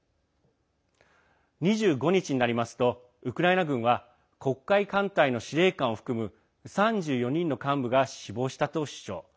２５日になりますとウクライナ軍は黒海艦隊の司令官を含む３４人の幹部が死亡したと主張。